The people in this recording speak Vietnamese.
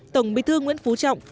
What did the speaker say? tổng bí thư nguyễn phú trọng